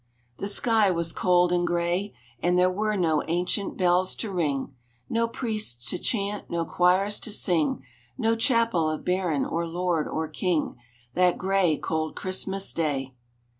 The sky was cold and gray, And there were no ancient bells to ring, No priests to chant, no choirs to sing, No chapel of baron, or lord, or king, That gray, cold Christmas Day.